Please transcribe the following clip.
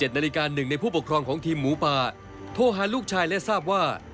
๑นาฬิกา๑ในผู้ปกครองของทีมหมูป่าโทรหาลูกชายและทราบว่า